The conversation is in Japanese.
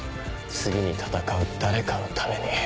次に戦う誰かのために。